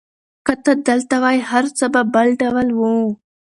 که ته دلته وای، هر څه به بل ډول وو.